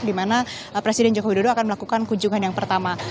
di mana presiden joko widodo akan melakukan kunjungan yang pertama